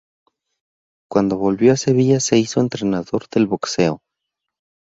Cuando volvió a Sevilla se hizo entrenador del boxeo.